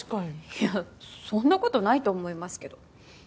いやそんな事ないと思いますけど。